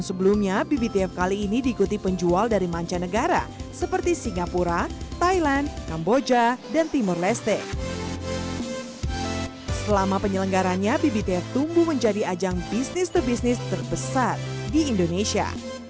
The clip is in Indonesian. selama penyelenggarannya bbtf tumbuh menjadi ajang bisnis pebisnis terbesar di indonesia